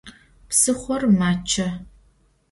Psıxhor maççe.